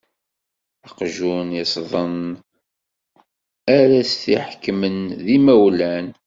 Aqjun iṣṣḍen, ara t-iḥekmen d imawlan.